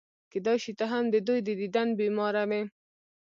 کېدای شي ته هم د دوی د دیدن بیماره وې.